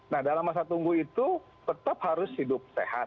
nah dalam masa tunggu itu tetap harus hidup sehat